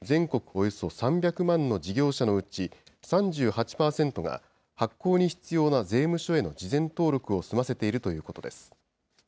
およそ３００万の事業者のうち、３８％が発行に必要な税務署への事前登録を済ませているということです。